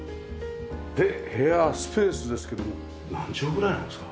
で部屋スペースですけど何畳ぐらいありますか？